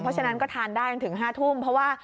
เพราะฉะนั้นก็ทานได้ถึง๕ทุ่ม